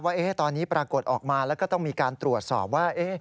ว่าตอนนี้ปรากฏออกมาแล้วก็ต้องมีการตรวจสอบว่า